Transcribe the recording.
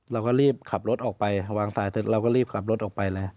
เราก็รีบขับรถออกไปวางสายเสร็จเราก็รีบขับรถออกไปเลย